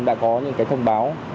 đã có những cái thông báo